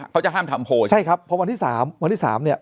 เขาจะห้ามทำโพลใช่ครับเพราะวันที่สามวันที่สามเนี่ย